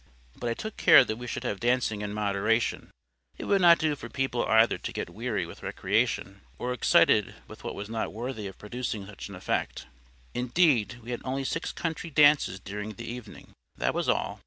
But I took care that we should have dancing in moderation. It would not do for people either to get weary with recreation, or excited with what was not worthy of producing such an effect. Indeed we had only six country dances during the evening. That was all.